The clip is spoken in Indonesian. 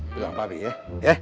bilang ke bapak ya